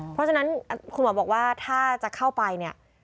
เพราะฉะนั้นคุณหมอบอกว่าถ้าจะเข้าไปเนี่ย